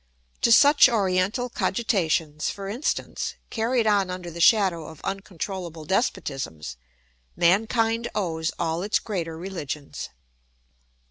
To such Oriental cogitations, for instance, carried on under the shadow of uncontrollable despotisms, mankind owes all its greater religions.